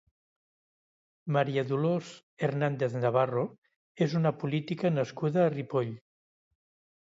Maria Dolors Hernández Navarro és una política nascuda a Ripoll.